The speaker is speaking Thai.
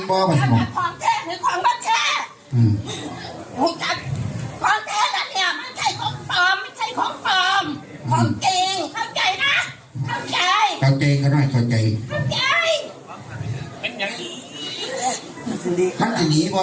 ค่ะเป็นเหตุการณ์ต่อเนื่องกันนะ